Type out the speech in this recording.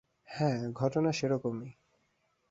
হ্যাঁ, ঘটনা সেরকমই।